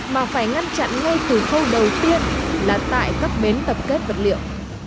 mà phải ngăn chặn ngay từ khâu đầu tiên là tại các bến tập kết vật liệu